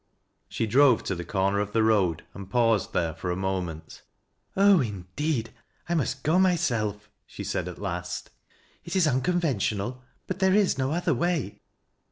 She drove to the corner of the road and paused there for a moment. " Oh indeed, I must go myself," she said at last. " It i? QDConventional, but there is no other way."